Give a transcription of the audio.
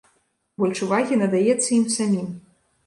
Больш увагі надаецца ім самім.